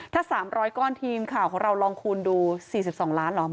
ถ้า๓๐๐ก้อนทีมข่าวของเราลองคูณดู๔๒ล้านเหรอ